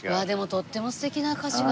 とっても素敵な歌詞が。